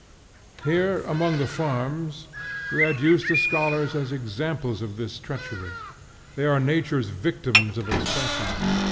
Here, among the farms, we adduce the scholars as examples of this treachery. They are nature's victims of expression.